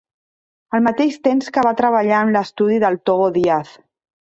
Al mateix temps que va treballar en l'estudi del Togo Díaz.